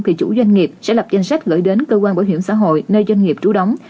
thì chủ doanh nghiệp sẽ lập danh sách gửi đến cơ quan bảo hiểm xã hội nơi doanh nghiệp trú đóng